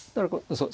そう。